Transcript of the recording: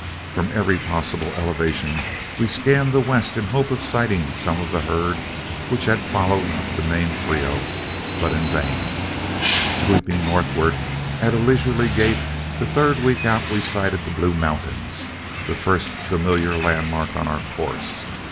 From every possible elevation, we scanned the west in the hope of sighting some of the herd which had followed up the main Frio, but in vain. Sweeping northward at a leisurely gait, the third week out we sighted the Blue Mountains, the first familiar landmark on our course.